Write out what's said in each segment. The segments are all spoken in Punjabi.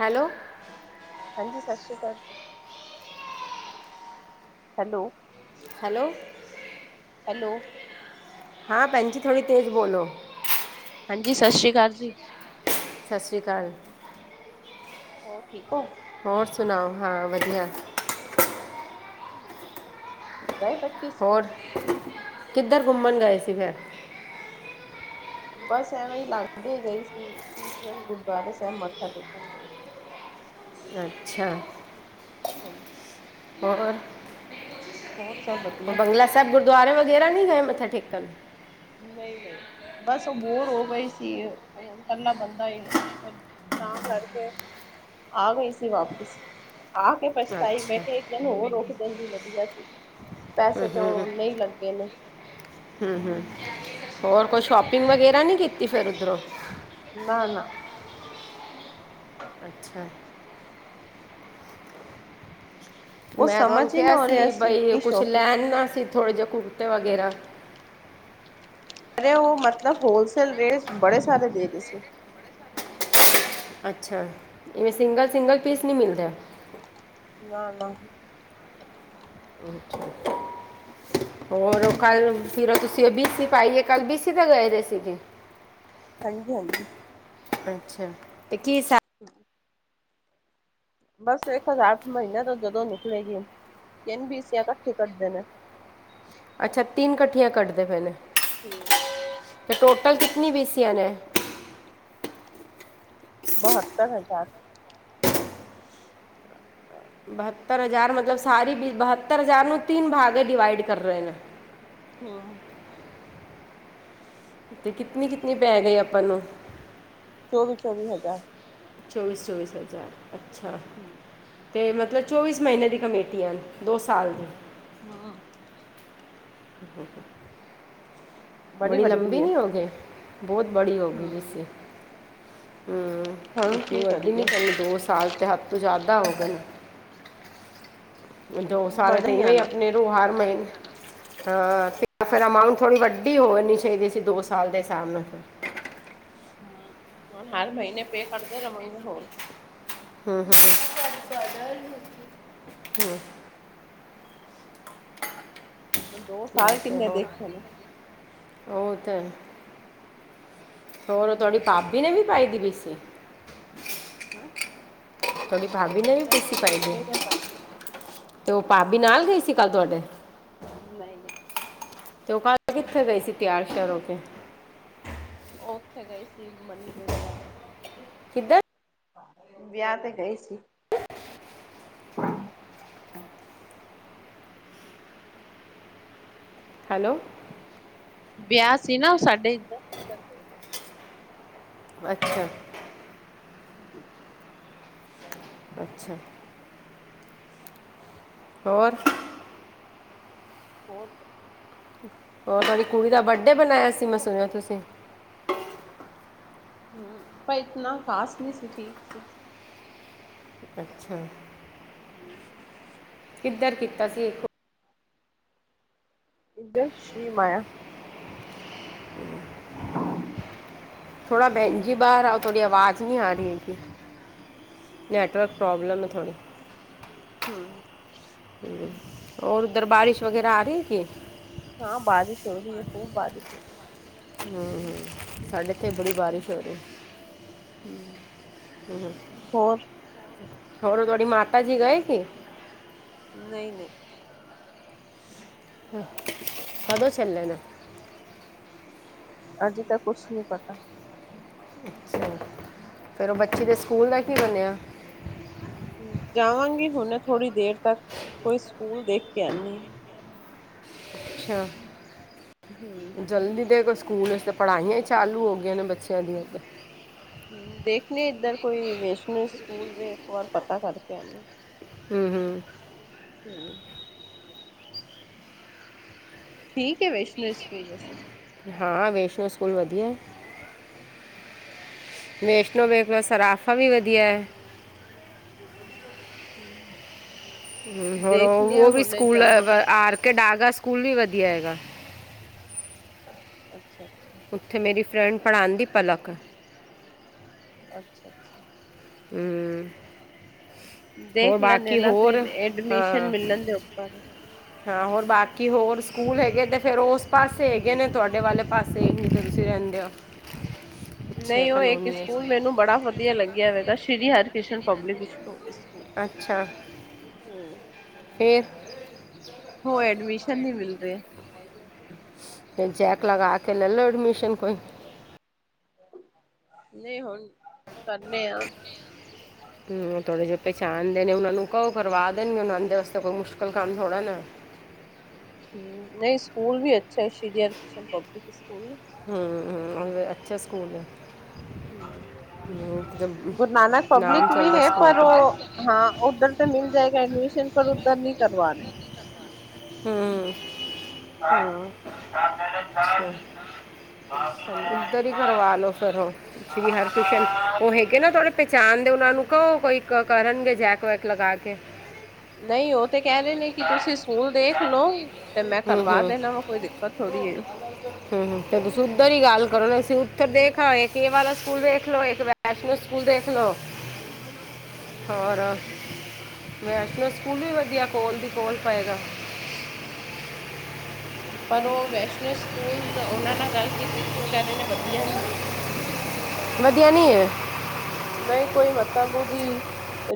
ਹੈਲੋ ਹਾਂਜੀ ਸਾਸ਼ ਸ਼੍ਰੀ ਕਾਲ ਜੀ। Hello hello hello. ਹਾਂ ਭੈਣ ਜੀ ਥੋੜੀ ਤੇਜ਼ ਬੋਲੋ। ਹਾਂਜੀ, ਸਤਿ ਸ਼੍ਰੀ ਅਕਾਲ ਜੀ। ਸਤਿ ਸ਼੍ਰੀ ਅਕਾਲ। ਹੋਰ ਠੀਕ ਓ? ਹੋਰ ਸੁਣਾਓ ਹਾਂ ਵਧੀਆ। ਅੱਛਾ ਗਏ ਬੱਚ। ਹੋਰ, ਕਿੱਧਰ ਘੁੰਮਣ ਗਏ ਸੀ ਫਿਰ। ਬਸ ਐਵੇਂ ਹੀ ਲਾਗੇ ਗਈ ਸੀ, ਸ਼ੀਸ਼ਗੰਜ ਗੁਰਦੁਆਰੇ ਸਾਹਿਬ ਮੱਥਾ ਟੇਕਣ ਗਏ। [inaudible] ਅੱਛਾ। ਹਾਂ। ਹੋਰ। ਹੋਰ ਸਭ ਵਧੀਆ। ਤਾਂ ਗੁਰਦੁਆਰੇ ਵਗੈਰਾ ਨਹੀਂ ਗਏ ਮੱਥਾ ਟੇਕਣ। ਨਹੀਂ ਨਹੀਂ ਬਸ ਉਹ ਬੋਰ ਹੋ ਗਈ ਸੀ। ਇਕੱਲਾ ਬੰਦਾ ਈ ਏ ਤਾਂ ਕਰਕੇ। ਆ ਗਈ ਸੀ ਵਾਪਿਸ ਆ ਕੇ ਪਛਤਾਈ ਮੈਂ ਅੱਛਾ ਕਿਹਾ ਇੱਕ ਦਿਨ ਹੋਰ ਰੁਕ ਜਾਂਦੀ ਵਧੀਆ ਸੀ, ਪੈਸੇ ਤਾਂ ਉਹਨੇ ਹੀ ਲੱਗੇ ਨੇ। ਹੂੰ ਹੂੰ ਹੋਰ ਕੋਈ ਸ਼ੋਪਿੰਗ ਵਗੈਰਾ ਨੀ ਕੀਤੀ ਫਿਰ ਉਧਰੋਂ। ਨਾ ਨਾ। ਅੱਛਾ। ਕੁਛ ਮੈਂ ਸਮਝ ਤੁਹਾਨੂੰ ਹੀ ਨਹੀਂ ਕਿਹਾ ਹੋ ਰਿਹਾ ਸੀ, ਬਈ ਕਿ ਕੁਛ ਸ਼ੋਪਿੰਗ ਲੈਣਾ ਸੀ ਥੋੜੇ ਜਿਹੇ ਕੁੜਤੇ ਵਗੈਰਾ। ਅਰੇ ਉਹ ਮਤਲਬ ਹੋਲਸੇਲ ਰੇਟ ਬੜੇ ਸਾਰੇ ਦੇ ਰਹੇ ਸੀ। ਅੱਛਾ ਏ ਸਿੰਗਲ ਸਿੰਗਲ ਪੀਸ ਨਹੀਂ ਮਿਲਦੇ। ਨਾ ਨਾ। ਅੱਛਾ। ਹੋਰ ਕੱਲ ਫਿਰ ਉਹ ਤੁਸੀਂ ਉਹ ਬੀ ਸੀ ਪਾਈ ਏ, ਕੱਲ ਬੀਸੀ ਤੋਂ ਗਏ ਹੋਏ ਸੀਗੇ। ਹਾਂਜੀ ਹਾਂਜੀ। ਅੱਛਾ, ਤੇ ਕੀ ਸ [inaudible] ਬਸ ਇੱਕ ਹਜਾਰਰ ਮਹੀਨੇ ਤੋਂ ਜਦੋਂ ਨਿਕਲੇਗੀ ਤਿੰਨ ਬੀ ਸੀ ਆ ਇਕੱਠੇ ਕੱਢਦੇ ਨੇ। ਅੱਛਾ, ਤਿੰਨ ਕੱਠੀਆਂ ਕੱਢਦੇ ਪਏ ਨੇ। ਹਾਂ। ਤੇ ਟੋਟਲ ਕਿਤਨੀ ਬੀ ਸੀਆਂ ਨੇ? ਬਹੱਤਰ ਹਜ਼ਾਰ। ਬਹੱਤਰ ਹਜ਼ਾਰ ਮਤਲਬ ਸਾਰੀ ਬ ਬਹੱਤਰ ਹਜ਼ਾਰ ਨੂੰ ਤਿੰਨ ਭਾਗ ਮੇ ਡਿਵਾਈਡ ਕਰ ਰਹੇ ਨੇ। ਹਾਂ। ਤੇ ਕਿਤਨੀ ਕਿਤਨੀ ਪੈ ਗਈ ਆਪਾਂ ਨੂੰ? ਚੌਵੀ ਚੌਵੀ ਹਜ਼ਾਰ। ਚੌਵੀਸ ਚੌਵੀਸ ਹਜ਼ਾਰ ਅੱਛਾ। ਹੂੰ। ਤੇ ਮਤਲਬ ਚੌਵੀਸ ਮਹੀਨੇ ਦੀ ਕਮੇਟੀ ਹਨ, ਦੋ ਸਾਲ ਦੀ। ਹਾਂ। ਬੜੀ ਲੰਬੀ ਵੱਡੀ ਹੈ ਨੀ ਹੋ ਗਏ। ਬਹੁਤ ਬੜੀ ਹੋ ਗਈ ਹੂੰ ਲਿੱਸੀ, ਹਮਮ ਹੁਣ ਕੀ ਇਤਨੀ ਵੱਡੀ ਨੀ ਕਰੀਏ ਕਰਨੀ, ਦੋ ਸਾਲ ਤੇ ਹੱਦ ਤੋਂ ਜਾਦਾ ਹੋ ਗਏ ਨੇ। ਦੋ ਸਾਲ ਮਜ਼ਾ ਤੇ ਨੀ ਇਵੇ ਈ ਆਣਾ ਆਪਣੇ ਨੂੰ ਹਰ ਮਹੀਨੇ ਹਾਂ ਤੇ ਫੇਰ ਅਮਾਊਂਟ ਥੋੜੀ ਵੱਡੀ ਹੋਣੀ ਚਾਹੀਦੀ ਸੀ ਦੋ ਸਾਲ ਦੇ ਹਿਸਾਬ ਨਾਲ ਹਮ, ਹੁਣ ਹਰ ਮਹੀਨੇ ਪੇਅ ਕਰਦੇ ਰਵਾਂਗੇ ਹੋਰ ਹਮ ਹਮ ਹਮ [unintelligible] [inaudible] ਹੁਣ ਦੋਸਤ [unintelligible] [unintelligible] ਉਹ ਤੇ ਹੈ ਈ ਹੋਰ ਉਹ ਤੁਆਡੀ ਭਾਬੀ ਨੇ ਵੀ ਪਾਈ ਦੀ ਬੀ ਸੀ ਹੈਂ [unintelligible] ਤੁਹਾਡੀ ਭਾਬੀ ਨੇ ਵੀ ਬੀ ਸੀ ਪਾਈ ਜੇ ਮੰਮੀ ਨੇ ਪਾਈ ਤੇ ਉਹ ਭਾਬੀ ਨਾਲ ਗਈ ਸੀ ਕੱਲ੍ਹ ਤੁਹਾਡੇ। ਨਹੀਂ ਨਹੀਂ ਤੇ ਉਹ ਕੱਲ ਕਿੱਥੇ ਗਈ ਸੀ ਤਿਆਰ ਸ਼ੈਆਰ ਹੋ ਕੇ? ਉਹ ਉੱਥੇ ਗਈ ਸੀ ਮਨੀ ਦੇ ਵਿਆਹ ਤੇ। ਕਿੱਧਰ ਵਿਆਹ ਤੇ ਗਈ ਸੀ। ਹੈਲੋ ਵਿਆਹ ਸੀ ਨਾ ਉਹ ਸਾਡੇ ਇੱਧਰ। ਉੱਧਰ ਗਏ ਸੀ ਅੱਛਾ ਹਮ [inaudible] ਅੱਛਾ ਹੋਰ ਹੋਰ ਫਿਰ ਹੋਰ ਤੁਆਡੀ ਕੁੜੀ ਦਾ ਬਰਡੇ ਬਣਾਇਆ ਸੀ, ਮੈਂ ਸੁਣਿਆ ਤੁਸੀਂ? ਹਾਂ, ਪਰ ਇਤਨਾ ਖ਼ਾਸ ਨੀ ਸੀ ਠੀਕ ਸੀ। ਅੱਛਾ ਕਿੱਧਰ ਕੀਤਾ ਸੀ ਇੱਕੋ ਇੱਧਰ ਸ਼੍ਰੀ ਮਾਯਾ [inaudible] ਥੋੜ੍ਹਾ ਬੈਹਨ ਜੀ ਬਾਹਰ ਆਓ ਥੋੜ੍ਹੀ ਆਵਾਜ਼ ਨੀ ਆ ਰੀ ਹੈਗੀ। ਨੈੱਟਵਰਕ ਪ੍ਰੋਬਲਮ ਏ ਥੋੜ੍ਹੀ ਹਮ ਹੋਰ ਉੱਧਰ ਬਾਰਿਸ਼ ਵਗੈਰਾ ਆ ਰੀ ਕਿ ਹਾਂ ਬਾਰਿਸ਼ ਹੋ ਰੀ ਏ ਖੂਬ ਬਾਰਿਸ਼ ਹੋ ਰੀ ਹਮ ਸਾਡੇ ਇੱਥੇ ਵੀ ਬੜੀ ਬਾਰਿਸ਼ ਹੋ ਰੀ। ਹੂੰ ਹੋਰ ਹੋਰ ਓ ਤੁਹਾਡੀ ਮਾਤਾ ਜੀ ਗਏ ਸੀ। ਨਈ ਨਈ। ਕਦੋਂ ਚੱਲੇ ਨੇ। ਅਜੇ ਤਾਂ ਕੁਛ ਨੀ ਪਤਾ ਅੱਛਾ ਫੇਰ ਓ ਬੱਚੇ ਦੇ ਸਕੂਲ ਦਾ ਕੀ ਬਣਿਆ ਜਾਵਾਂਗੀ ਹੁਣੇ ਥੋੜ੍ਹੀ ਦੇਰ ਤੱਕ, ਕੋਈ ਸਕੂਲ ਦੇਖ ਕੇ ਆਨੀ ਹੂੰ [unintelligible] ਪੜ੍ਹਾਈਆਂ ਈ ਚਾਲੂ ਹੋ ਗਈਆਂ ਨੇ ਬੱਚਿਆਂ ਦੀਆਂ ਤੇ ਹੂੰ ਵੇਖਣੇ ਏਧਰ ਕੋਈ ਵੈਸ਼ਨਲ ਸਕੂਲ ਵੀ ਇੱਕ ਵਾਰ ਪਤਾ ਕਰਕੇ ਆਨੇ। ਹੂੰ ਹੂੰ। [inaudible] ਠੀਕ ਏ ਵੈਸ਼ਨਰ ਸਕੂਲ ਵੈਸੇ। ਹਾਂ ਵੈਸ਼ਨਰ ਸਕੂਲ ਵਧੀਆ। ਵੈਸ਼ਨੋ ਵੇਖਲੋ ਸਰਾਫਾ ਵੀ ਵਧੀਆ ਐ। [unintelligible] ਹੋਰ ਓ ਦੇਖਣੇ ਆ ਓ ਵੀ ਹੁਣੇ ਸਕੂਲ ਜਾਵਾਂਗੀ ਆ ਆਰ ਕੇ ਡਾਗਾ ਸਕੂਲ ਵੀ ਵਧੀਆ ਏਗਾ। ਅੱਛਾ ਅੱਛਾ। ਓਥੇ ਮੇਰੀ ਫਰੈਂਡ ਪੜ੍ਹਾਂਦੀ ਪਲਕ। ਅੱਛਾ ਅੱਛਾ। ਹੂੰ ਹੋਰ ਦੇਖ ਲੈਂਣੇ ਏ ਬਾਕੀ ਨਾ ਹੋਰ ਫੇਰ ਐਡਮਿਸ਼ਨ ਹਾਂ ਮਿਲਣ ਦੇ ਉੱਪਰ ਐ। ਹਾਂ ਹੋਰ ਬਾਕੀ ਹੋਰ ਸਕੂਲ ਹੈਗੇ ਤੇ ਫੇਰ ਓਸ ਪਾਸੇ ਹੈਗੇ ਨੇ ਤੁਆਡੇ ਵਾਲੇ ਪਾਸੇ। ਸੇਈ ਜਿੱਧਰ ਤੁਸੀਂ ਰੈਂਦੇ ਓ। ਨਈ ਓ ਇੱਕ ਸਕੂਲ ਮੈਨੂੰ ਬੜਾ ਵਧੀਆ ਲੱਗਿਆ ਵੈਗਾ ਸ਼੍ਰੀ ਹਰਿਕ੍ਰਿਸ਼ਨ ਪਬਲਿਕ ਸਕੂਲ ਅੱਛਾ- ਹੂੰ ਫੇਰ। ਹੋ ਐਡਮਿਸ਼ਨ ਨ੍ਹੀਂ ਮਿਲ ਰਿਆ। ਕੋਈ ਜੈਕ ਲਗਾ ਕੇ ਲੱਲ ਲੋ ਐਡਮਿਸ਼ਨ ਕੋਈ। ਨਈ ਹੁਣ ਕਰਨੇ ਆਂ। ਹੂੰ ਥੋੜ੍ਹੇ ਜੇ ਪੈੈਸ਼ਾਣ ਦੇ ਨੇ ਓਨਾਂ ਨੂੰ ਕਓ ਕਰਵਾ ਦੇਣਗੇ, ਓਨਾ ਦੇ ਅਸਤੇ ਕੋਈ ਮੁਸ਼ਕਲ ਕੰਮ ਥੋੜ੍ਹਾ ਨਾ। ਹੂੰ ਨਈ ਸਕੂਲ ਵੀ ਅੱਛਾ ਸ਼੍ਰੀ ਹਰ ਕ੍ਰਿਸ਼ਨ ਪਬਲਿਕ ਸਕੂਲ। ਹੂੰ ਹੂੰ ਓ ਅੱਛਾ ਸਕੂਲ ਏ। ਹੂੰ, ਗੁਰੂ ਨਾਨਕ ਨਾਮ ਪਬਲਿਕ ਵੀ ਚੱਲਦਾ ਹੈ, ਸਕੂਲ ਪਰ ਦਾ ਓ ਹਾਂ ਓਧਰ ਤੇ ਮਿਲ ਜਾਏਗਾ ਐਡਮਿਸ਼ਨ, ਪਰ ਓਧਰ ਨੀ ਕਰਵਾਨਾ। ਹੂੰ ਹਾਂ ਅੱਛਾ ਓਧਰ ਈ ਕਰਵਾ ਲੋੋ ਫੇਰ ਹੁਣ ਸ਼੍ਰੀ ਹਰਕ੍ਰਿਸ਼ਨ ਓ ਹੈਗੇ ਨਾ ਤਾਡੇ ਪੈਚਾਣ ਦੇ ਓਨਾਂ ਨੂੰ ਕਓ ਕੋਈ ਕਰਨਗੇ ਜੈਕ ਵੈਕ ਲਗਾ ਕੇ। ਨਈ ਓ ਤੇ ਕੈ ਰੈ ਨੇ ਕੀ ਤੁਸੀਂ ਸੂਲ ਦੇਖ ਲੋ। ਤੇ ਮੈਂ ਹੂੰ ਕਰਵਾ ਹੂੰ ਦੇਣਾ ਵਾ ਕੋਈ ਦਿੱਕਤ ਥੋੜ੍ਹੀ ਏ। ਹੂੰ ਤੇ ਤੁਸੀਂ ਉੱਧਰ ਈ ਗੱਲ ਕਰੋ ਅਸੀਂ ਉੱਥਰ ਦੇਖ ਆਏ ਕੀ ਏ ਵਾਲਾ ਸਕੂਲ ਦੇਖ ਲੋ। ਇੱਕ ਵੈੈਸ਼਼ਨੋ ਸਕੂਲ ਦੇਖ ਲੋ। [inaudible] ਹੋਰ ਵੈਸ਼ਨੋ ਸਕੂਲ ਵੀ ਵਧੀਆ ਕੋਲ ਦੀ ਕੋਲ ਪਏਗਾ। ਪਰ ਓ ਵੈਸ਼ਨੋ ਸਕੂਲ ਓਨਾਂ ਨਾਲ ਗੱਲ ਕੀਤੀ ਸੀ, ਓ ਕੈ ਰੈ ਵਧੀਆ ਨੇ ਵਧੀਆ ਨੀ ਏ। ਵਧਿਆ ਨੀ ਏ। ਨਈ ਕੋਈ ਮਤਬ ਓਦੀ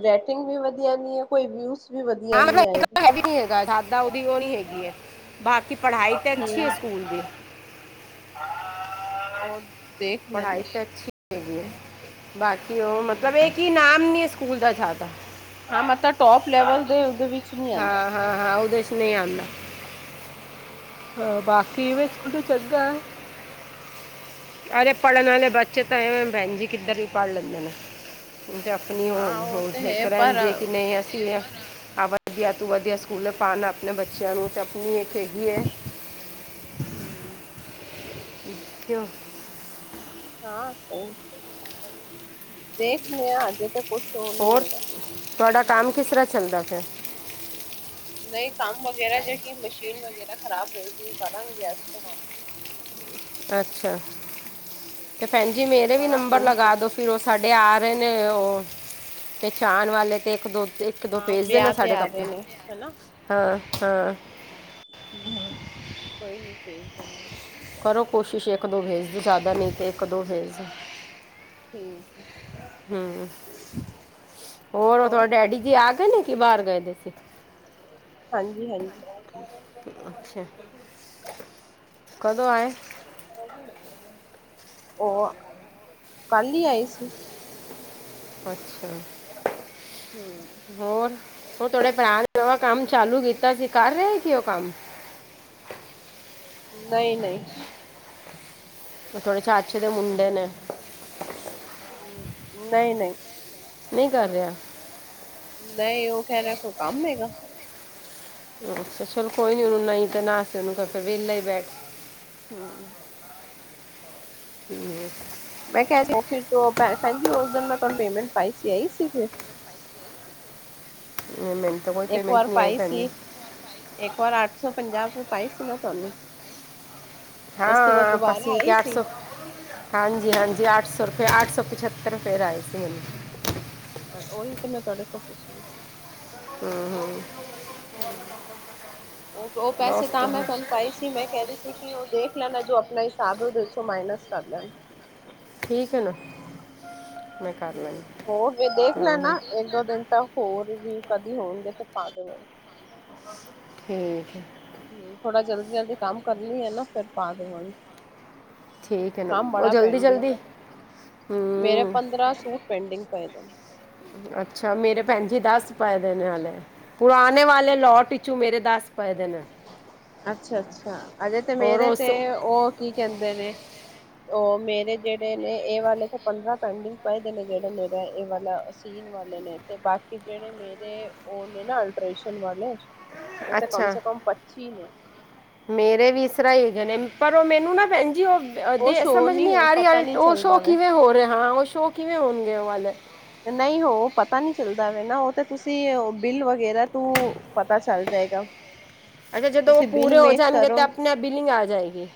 ਰੇਟਿੰਗ ਵੀ ਵਧੀਆ ਨੀ ਏ, ਕੋਈ ਵਿਊਜ਼ ਵੀ ਵਧੀਆ ਹਾਂ ਮਤਲਬ ਨਹੀਂ ਆਏ। ਇੱਕਦਮ ਹੈਵੀ ਨੀ ਹੈਗਾ, ਸਾਦਾ ਓਦੀ ਓ ਨੀ ਹੈਗੀ ਏ। ਬਾਕੀ ਪੜ੍ਹਾਈ ਤੇ ਅੱਛੀ ਏ ਹਮ। ਸਕੂਲ ਦੀ। [unintelligible] ਪੜ੍ਹਾਈ ਲੈਂਦੇ ਤੇ ਅੱਛੀ ਹੈਗੀ ਏ, ਬਾਕੀ ਓ ਮਤਲਬ ਏ ਕੀ ਨਾਮ ਨੀ ਸਕੂਲ ਦਾ ਜ਼ਾਦਾ। ਹਾਂ ਮਤਲਬ ਟੋਪ ਲੈਵਲ ਦੇ- ਓਦੇ ਵਿੱਚ ਨੀ ਆਂਦਾ। ਹਾਂ ਹਾਂ ਹਾਂ ਉਹਦੇ 'ਚ ਨਹੀਂ ਆਉਂਦਾ ਹਾਂ ਬਾਕੀ ਇਵੇਂ ਸਕੂਲ ਤੇ ਚਲਦਾ, ਅਰੇ ਪੜ੍ਹਨ ਵਾਲੇ ਬਚ ਚੇ ਤਾਂ ਐਵੇਂ ਬੈਣ ਜੀ ਕਿੱਧਰ ਵੀ ਪੜ੍ਹ ਲੈਂਦੇ ਨੇ। ਤੇ ਆਪਣੀ ਹਾਂ ਉਹ ਤੇ ਠੀਕ ਹੈ ਪਰ ਰਹਿੰਦੀ ਹੈ ਕਿ ਨਹੀਂ ਅਸੀਂ ਦੇਖ ਆ ਵਧੀਆ ਤੋਂ ਵਧੀਆ ਸਕੂਲ ਪਾਉਣ ਆਪਣੇ ਬੱਚਿਆਂ ਨੂੰ ਤੇ ਆਪਣੀ ਇੱਕ ਹੈਗੀ ਹੈ। ਹਮ। ਪਖਓ। ਹਾਂ ਸਹੀ ਗੱਲ ਏ, ਦੇਖਦੇ ਹ ਅਜੇ ਤ ਹੋਰ ਤੁਹਾਡਾ ਕੰਮ ਕਿਸ ਤਰ੍ਹਾਂ ਚੱਲਦਾ ਪੈਂਦਾ। ਨਹੀਂ ਕੰਮ ਵਗੈਰਾ ਜਿ ਕਿ ਮਸ਼ੀਨ ਵਗੈਰਾ ਖ਼ਰਾਬ ਹੋਗੀ ਕਰਾਂ ਗੈਸ ਤੋਂ ਕੰਮ। ਅੱਛਾ ਤੇ ਭੈਣ ਜੀ ਮੇਰੇ ਵੀ ਬੜਾ ਨੰਬਰ ਘੁੰਮ ਲਗਾ ਦੋ ਲ ਫਿਰ ਉਸ ਸਾਡੇ ਆ ਰਹੇ ਨੇ ਉਹ ਪਹਿਚਾਣ ਵਾਲੇ ਤੇ ਇੱਕ ਦੋ ਤ ਇਕ ਦੋਂ ਹਾਂ ਭੇਜਦੇ ਨਾ ਵਿਆਹ ਤੇ ਸਾਡੇ ਆ ਰਹੇ ਕੱਪੜੇ ਨੇ ਹਾਂ-ਹਾਂ। ਹਮ-ਹਮ ਕੋਈ ਨੀ ਪੇਜ਼ ਦਾ ਕਰੋ ਕੋਸ਼ਿਸ਼ ਇੱਕ, ਦੋ ਭੇਜ ਦ ਜ਼ਿਆਦਾ ਨਹੀਂ ਤੇ ਇੱਕ, ਦੋ ਭੇਜਦੋ। ਠੀਕ ਹੈ। ਹਮ, ਹੋਰ ਤੁਥਡੇ ਡੈਡੀ ਜੀ ਆ ਗਏ ਨੇ ਕੀ ਬਾਹਰ ਗਏ ਸੀ। ਹਾਂਜੀ ਹਾਂਜੀ ਅੱਛਾ ਕਦੋਂ ਆਏ। ਉਹ ਕੱਲ ਹੀ ਆਏ ਸੀ। ਅੱਛਾ। ਹਮ। ਹੋਰ ਉਹ ਥੋੜੇ ਭਰਾ ਨੇ ਉਹ ਕੰਮ ਚਾਲੂ ਕੀਤਾ ਸੀ ਕਰ ਰਹੇ ਸੀ ਉਹ ਕੰਮ। ਨਹੀਂ-ਨਹੀਂ। ਤੇ ਤੁਹਾਡੇ ਚਾਚੇ ਦੇ ਮੁੰਡੇ ਨੇ। ਨਹੀਂ-ਨਹੀਂ। ਨਹੀਂ ਕਰ ਰਿਹਾ। ਨਹੀਂ ਉਹ ਕਹਿ ਰਿਹਾ ਕੋਈ ਕੰਮ ਹੈਗਾ। ਅੱਛਾ ਚਲੋ ਕੋਈ ਨੀ ਉਹਨੂੰ ਨਹੀਂ ਤੇ ਨਾ ਸਹੀ, ਉਹਨੂੰ ਤਾਂ ਫਿਰ ਵਿਹਲਾ ਹੀ ਬੈਠ ਹਮ। ਹਮ। ਮੈਂ ਕਹਿ ਸੀ ਉਹ ਫਿਰ ਓ ਮੈਂ ਪੈ ਪੈਂਜੀ ਉਸ ਦਿਨ ਪੇਮੈਂਟ ਪਾਈ ਸੀ ਆਈ ਸੀ ਫਿਰ। ਨਹੀਂ ਮੈਨੂੰ ਤਾਂ ਕੋਈ ਇੱਕ ਵਾਰ ਪੇਮੈਂਟ ਨਹੀਂ ਆਈ ਪਾਈ ਭੈਣ ਸੀ ਜੀ। ਇੱਕ ਵਾਰ ਅੱਠ ਸੌ ਪੰਜਾਹ ਰੁਪਏ ਪਏ ਸੀ ਨਾ ਤੁਹਾਨੂੰ। ਉਸ ਤੋਂ ਬਾਅਦ ਹਾਂ ਦੁਬਾਰਾ ਪਸੀ ਆਈ ਅੱਠ ਸੀ ਸੌ ਹਾਂਜੀ- ਹਾਂਜੀ ਅੱਠ ਸੌ ਰੁਪਏ, ਅੱਠ ਸੌ ਪਝੱਤਰ ਰੁਪਏ ਲ ਆਏ ਸੀ ਮੈਨੂੰ। ਉਹੀ ਤੇ ਮੈਂ ਤੁਹਾਡੇ ਕੋਲ ਪੁੱਛ ਰਹੀ ਸੀ। ਹਮ-ਹਮ। ਹਮ ਉਹ ਪੈਸੇ ਤਾਂ ਮੈਂ ਤੁਹਾਨੂੰ ਪਾਈ ਸੀ ਮੈਂ ਕਹਿ ਰਹੀ ਸੀ ਕਿ ਉਹ ਦੇਖ ਲੈਣਾ, ਜੋ ਆਪਣਾ ਹਿਸਾਬ ਹੈ ਉਹਦੇ ਵਿੱਚੋਂ ਮਾਈਨਸ ਕਰ ਲੈਣਾ। ਠੀਕ ਹੈ ਨਾ [unintelligible] ਮੈਂ ਕਰ ਲੈਂਦੀ ਹ ਹੋਰ ਵੀ ਦੇਖ ਹੂੰ ਹੂੰ, ਲੈਣਾ ਇੱਕ ਦੋ ਦਿਨ ਤਾਂ ਹੋਰ ਵੀ ਕਦੀ ਹੋਣਗੇ ਤੇ ਪਾਦੇਵਾਂਗੇ। ਠੀਕ ਹੈ। ਹਮ ਥੋੜਾ ਜਲਦੀ-ਜਲਦੀ ਕਮ ਕਰਨੀ ਹੈ ਨਾ ਫੇਰ ਪਾਦੇਵਾਂਗੀ। ਠੀਕ ਹੈ ਨਾ ਹਮ ਉਹ ਬੜਾ ਜਲਦੀ ਪੈਂਡਿੰਗ ਜਲਦੀ ਹੈ, ਮੇਰੇ ਹੂੰ ਪੰਦਰਾਂ ਸੂਟ ਪੈਂਡਿੰਗ ਪਏ ਦੇ ਨੇ। ਅੱਛਾ ਮੇਰੇ ਭੈਣ ਜੀ ਦੱਸ ਪਏ ਦੇਣੇ ਹਲੇ। ਪੁਰਾਣੇ ਵਾਲੇ ਲੋਟ ਈਚੂ ਮੇਰੇ ਦੱਸ ਅੱਛਾ-ਅੱਛਾ ਅਜੇ ਤੇ ਔਰ ਮੇਰੇ ਉਸ ਤੇ ਉਹ ਕੀ ਕਹਿੰਦੇ ਨੇ ਉਹ ਮੇਰੇ ਜਿਹੜੇ ਨੇ ਇਹ ਵਾਲੇ ਤੇ ਪੰਦਰਾਂ ਪੈਂਡਿੰਗ ਪਏ ਦੇ ਨੇ ਜਿਹੜੇ ਮੇਰਾ ਇਹ ਵਾਲਾ ਸੀਨ ਵਾਲੇ ਨੇ ਤੇ ਬਾਕੀ ਜੇਹੜੇ ਮੇਰੇ ਓਹ ਨੇ ਨਾ ਅਲਟਰੇਸ਼ਨ ਵਾਲੇ ਓਹ ਤੇ ਕਮ ਅੱਛਾ ਸੇ ਕਮ ਪੱਚੀ ਨੇ ਮੇਰੇ ਵੀ ਇਸ ਤਰਾ ਹੀ ਹੈਗੇ ਨੇ ਪਰ ਉਹ ਮੈਨੂੰ ਨਾ ਭੈਨ ਜੀ ਓਹ ਉਹ ਦੇ ਸ਼ੋ ਸਮਝ ਨੀ ਨਈ ਹੋ ਆ ਰਈ ਪਤਾ ਅਲਟ ਨੀ ਓਹ ਸ਼ੋਅ ਚੱਲਦਾ ਵੇ ਕਿਵੇਂ ਹੋ ਰਹੇ ਹਾਂ ਓਹ ਸ਼ੋਅ ਕਿਵੇਂ ਹੋਨਗੇ ਓਹ ਵਾਲੇ ਨਈ ਹੋ ਪਤਾ ਨਈ ਚੱਲਦਾ ਵੇ ਨਾ ਓਹ ਤੇ ਤੁਸੀਂ ਬਿੱਲ ਵਗੈਰਾ ਤੋਂ ਪਤਾ ਚੱਲ ਜਾਏਗਾ। [inaudible] ਅਗਰ ਜਦੋਂ ਓਹ ਤੁਸੀਂ ਬਿੱਲ ਪੂਰੇ ਹੋ ਮੇਚ ਜਾਨਗੇ ਤੇ ਕਰੋ ਆਪਨੇ-ਆਪ ਬਿਲਿੰਗ ਆ ਜਾਏਗੀ।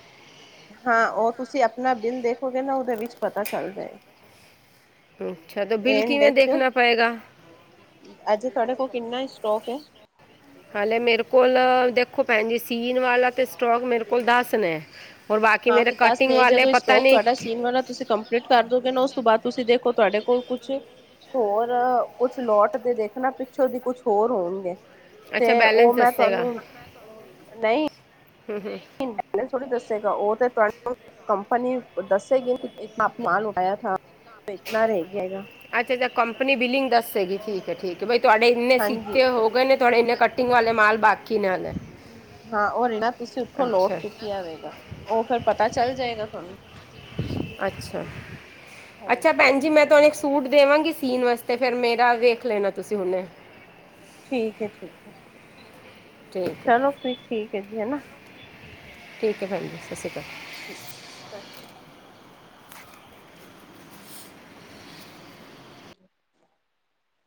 ਹਾਂ, ਓਹ ਤੁਸੀਂ ਆਪਨਾ ਬਿੱਲ ਦੇਖੋਗੇ ਨਾ ਓਹਦੇ ਵਿੱਚ ਪਤਾ ਚੱਲ ਜਾਏਗਾ। ਹੁੰ ਏਂਹਦੇ ਚ ਅਜੇ ਤੁਹਾਡੇ ਕੋਲ ਕਿੰਨੇ ਸਟੋਕ ਐ ਹਲੇ ਮੇਰੇ ਕੋਲ ਦੇਖੋ ਭੈਨਜੀ ਸੀਨ ਵਾਲਾ ਤੇ ਸਟੋਕ ਮੇਰੇ ਕੋਲ ਦਸ ਨੇ ਔਰ ਬਾਕੀ ਹਾਂ ਮੇਰੇ ਤੇ ਦੱਸ ਕਟਿੰਗ ਨੇ ਵਾਲੇ ਜਦੋਂ ਏਹ ਪਤਾ ਸਟੋਕ ਨਹੀਂ ਤੁਹਾਡਾ ਕਿ- ਸੀਨ ਵਾਲਾ ਤੁਸੀਂ ਕੰਮ ਜੇ ਕਰ ਦੋਗੇ ਨਾ ਉਸ ਤੋਂ ਬਾਅਦ ਤੁਸੀਂ ਦੇਖੋ ਤੁਆਡੇ ਕੋਲ ਕੁਛ ਹੋਰ ਕੁਛ ਲੌਟ ਦੇ ਦੇਖਣਾ ਪਿੱਛੋਂ ਦੀ ਕੁਛ ਹੋਰ ਹੋਨਗੇ। ਅੱਛਾ ਤੇ ਓਹ ਬੈਲੈਂਸ ਮੈਂ ਤੁਹਾਨੂੰ, ਨਈ ਹੇ-ਹੇ ਹਲੇ ਥੋੜੀ ਦੱਸੇਗਾ, ਉਹ ਤੇ ਤੁੂੰਹਾਨੂੰ ਕੰਪਨੀ ਦੱਸੇਗੀ ਇਤਨਾ ਮਾਲ ਉਠਾਇਆ ਥਾ, ਇਤਨਾ ਰਹਿ ਗਿਆ ਹੈਗਾ ਅੱਛਾ-ਅੱਛਾ, ਕੰਪਨੀ ਬਿਲਿੰਗ ਦੱਸੇਗੀ। ਠੀਕ ਹੈ-ਠੀਕ ਹੈ, ਬਈ ਤੁਹਾਡੇ ਇੰਨੇ ਹਾਂਜੀ ਸੀਤੇ ਹੋ ਐਨੇ ਤੁਆਡੇ ਇੰਨੇ ਕਟਿੰਗ ਵਾਲੇ ਮਾਲ ਬਾਕੀ ਨੇ ਹਲੇ ਹਾਂ, ਓਹ ਈ ਨਾ ਤੁਸੀਂ ਉੱਥੋਂ ਲੋਟ ਚੁੱਕੀ ਆਵੇਗਾ ਓਹ ਫਿਰ ਪਤਾ ਚੱਲ ਜਾਏਗਾ ਤੁਹਾਨੂੰ ਅੱਛਾ, ਅੱਛਾ ਹਾਂਜੀ ਭੈਨ ਜੀ ਮੈਂ ਤੁਹਾਨੂੰ ਇਕ ਸ ਸੂਟ ਦੇਵਾਂਗੀ ਸੀਨ ਵਾਸਤੇ, ਫੇਰ ਮੇਰਾ ਵੇਖ ਲੇਨਾ ਤੁਸੀਂ ਹੁਨੇ ਠੀਕ ਏ-ਠੀਕ ਏ ਠੀਕ ਹੈ ਚਲੋ, ਫਿਰ ਠੀਕ ਏ ਜੀ ਹੈਨਾ ਠੀਕ ਏ, ਹਾਂਜੀ, ਸਤਿ ਸ਼੍ਰੀ ਅਕਾਲ। ਠੀਕ, ਸਤਿ ਸ਼੍ਰੀ ਅਕਾਲ। [inaudible]